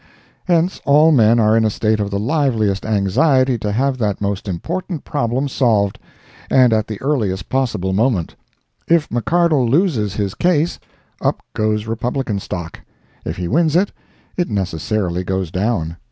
Hence all men are in a state of the liveliest anxiety to have that most important problem solved, and at the earliest possible moment. If McCardle loses his case, up goes Republican stock; if he wins it, it necessarily goes down.